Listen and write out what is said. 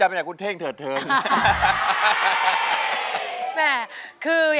มันอะไรแล้ว